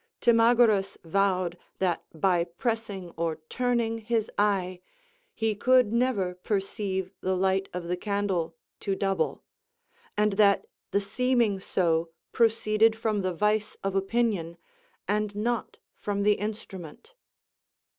Timagoras vowed that, by pressing or turning his eye, he could never perceive the light of the candle to double, and that the seeming so proceeded from the vice of opinion, and not from the instrument.